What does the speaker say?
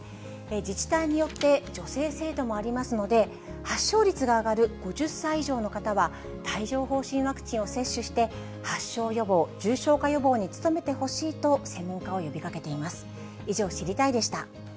自治体によって、助成制度もありますので、発症率が上がる５０歳以上の方は、帯状ほう疹ワクチンを接種して、発症予防、重症化予防に努めてほしいと専門家は呼びかけています。